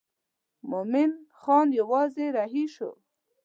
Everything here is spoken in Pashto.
مومن خان یوازې رهي شو.